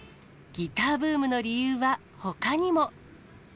ギターブームの理由はほかにも。